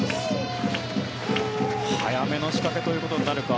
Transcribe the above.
早めの仕掛けということになるか。